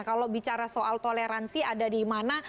kalau bicara soal toleransi ada di mana